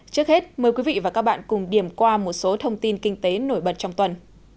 trước hết mời quý vị và các bạn cùng điểm qua một số thông tin kinh tế nổi bật trong tuần